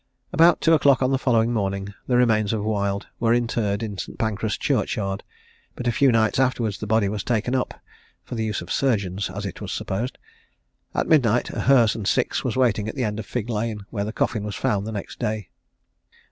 About two o'clock on the following morning the remains of Wild were interred in St. Pancras churchyard; but a few nights afterwards the body was taken up (for the use of the surgeons, as it was supposed). At midnight a hearse and six was waiting at the end of Fig Lane, where the coffin was found the next day.